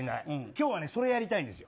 今日はそれをやりたいんです。